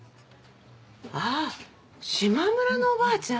ああ島村のおばあちゃん？